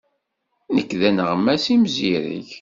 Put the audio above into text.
Nekk d aneɣmas imzireg.